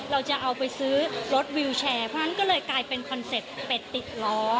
เราจะเอาไปซื้อรถวิวแชร์เพราะฉะนั้นก็เลยกลายเป็นคอนเซ็ปต์เป็ดติดล้อ